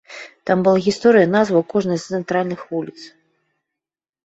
Там была гісторыя назваў кожнай з цэнтральных вуліц.